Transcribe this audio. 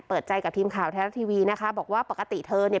เปิดใจกับทีมข่าวไทยรัฐทีวีนะคะบอกว่าปกติเธอเนี่ย